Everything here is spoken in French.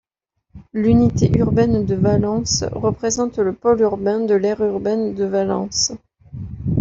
L'unité urbaine de Valence représente le pôle urbain de l'aire urbaine de Valence.